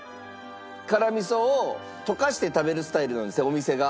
辛みそを溶かして食べるスタイルなんですってお店が。